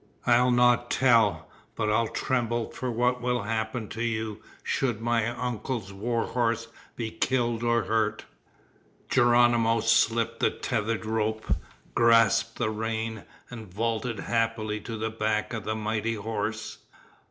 I'll not tell, but I'll tremble for what will happen to you should my uncle's war horse be killed or hurt." Geronimo slipped the tether rope, grasped the rein, and vaulted happily to the back of the mighty horse.